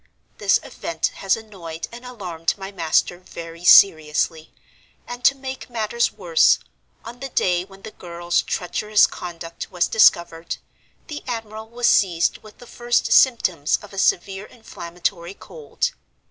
This event has annoyed and alarmed my master very seriously; and to make matters worse, on the day when the girl's treacherous conduct was discovered, the admiral was seized with the first symptoms of a severe inflammatory cold.